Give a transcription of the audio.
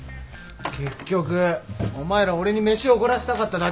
結局お前ら俺に飯おごらせたかっただけ？